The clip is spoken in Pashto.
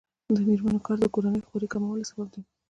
د میرمنو کار د کورنۍ خوارۍ کمولو سبب دی.